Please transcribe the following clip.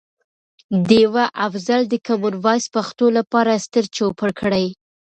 ډیوه افضل د کمان وایس پښتو لپاره ستر چوپړ کړي.